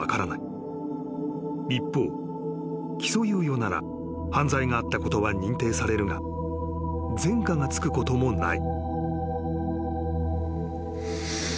［一方起訴猶予なら犯罪があったことは認定されるが前科がつくこともない］